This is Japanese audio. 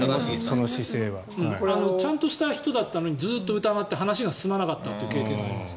その姿勢は。ちゃんとした人だったのにずっと疑ってて話が進まなかった経験があります。